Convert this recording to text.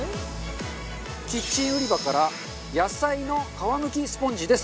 キッチン売り場から野菜の皮むきスポンジです。